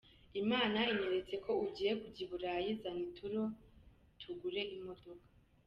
Imana inyeretse ko ugiye kujya I Burayi, zana ituro tugure imodoka.